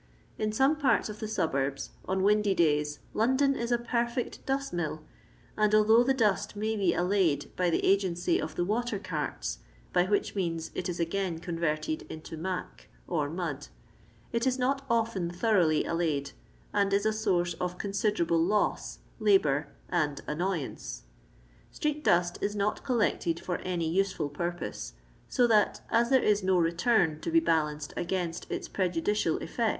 In some parts of the suburbs on windy days London is a perfect dust mill, and although the dust may be allayed by the agency of the water carts (by which means it is again converted into " mac," or mud), it is not often thoroughly allayed, and is a source of considerable loss, labour, and annoyance. Street dust is not coll^cted for any useful purpoee, so that as there is no return to be balanced against its prejudicial effi.'